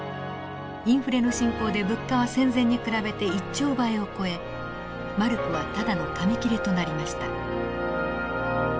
インフレの進行で物価は戦前に比べて１兆倍を超えマルクはただの紙切れとなりました。